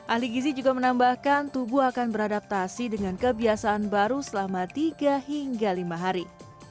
ahli gizi juga menambahkan tubuh akan beradaptasi dengan kebiasaan baru selama tiga hingga lima hari